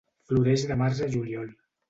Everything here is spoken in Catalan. Floreix de març a juliol.